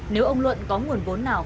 nếu ông luận có nguồn vốn nào